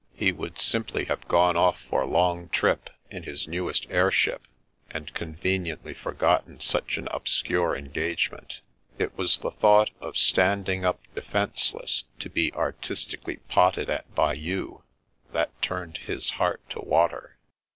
He would simply have gone off for a long trip in his newest air ship, and conveniently forgotten such an obscure engagement. It was the thought of standing up de fenceless, to be artistically potted at by you, that turned his heart to water."